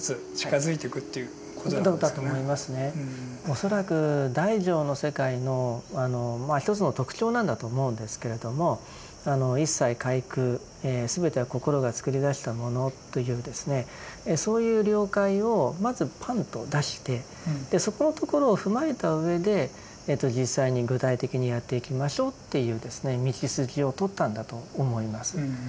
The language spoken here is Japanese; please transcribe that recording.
恐らく大乗の世界のまあ一つの特徴なんだと思うんですけれどもそういう了解をまずパンと出してそこのところを踏まえたうえで実際に具体的にやっていきましょうっていう道筋をとったんだと思います。